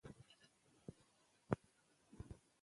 او هر يو تن ته دخپل ځان او مال نه تحفظ حاصل سي